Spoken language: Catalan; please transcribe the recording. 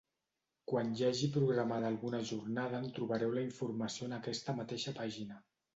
Quan hi hagi programada alguna jornada en trobareu la informació en aquesta mateixa pàgina.